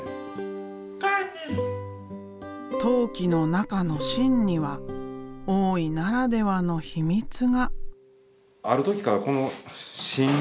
陶器の中の芯には大井ならではの秘密が。